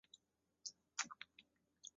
头部前半部呈方形。